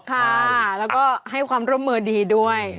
ค่ะแล้วก็ให้ความร่วมมือดีด้วย